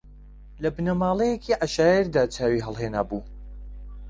لە بنەماڵەیەکی عەشایەردا چاوی ھەڵھێنابوو